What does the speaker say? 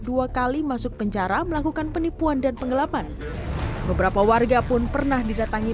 dua kali masuk penjara melakukan penipuan dan penggelapan beberapa warga pun pernah didatangi